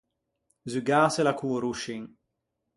Zugâsela co-o roscin.